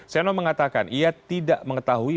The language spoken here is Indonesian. seno mengatakan ia tidak mengetahui